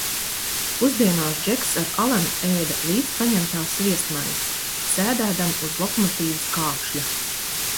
Pusdienās Džeks ar Alenu ēda līdzpaņemtās sviestmaizes, sēdēdami uz lokomotīves kāpšļa.